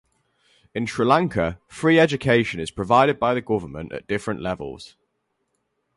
In Sri Lanka, free education is provided by the government at different levels.